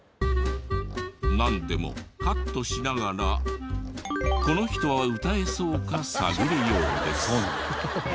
なんでもカットしながらこの人は歌えそうか探るようです。